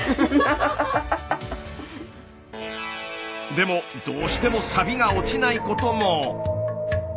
でもどうしてもサビが落ちないことも。